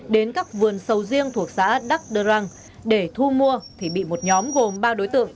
đến các vườn sầu riêng thuộc xã đắc đơ răng để thu mua thì bị một nhóm gồm ba đối tượng